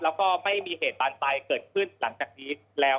แล้วก็ไม่มีเหตุบานปลายเกิดขึ้นหลังจากนี้แล้ว